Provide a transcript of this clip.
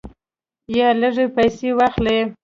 یا لږې پیسې واخلې.